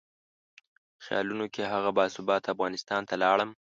خیالونو کې هغه باثباته افغانستان ته لاړم.